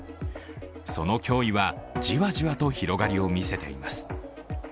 その脅威はじわじわと広がりを見せています。